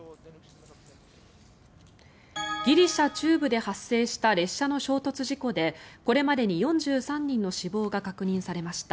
ギリシャ中部で発生した列車の衝突事故でこれまでに４３人の死亡が確認されました。